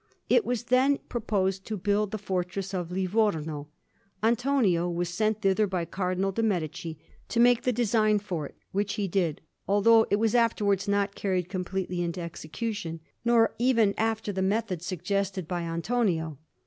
It being then proposed to build the fortress of Livorno, Antonio was sent thither by Cardinal de' Medici to make the design for it; which he did, although it was afterwards not carried completely into execution, nor even after the method suggested by Antonio.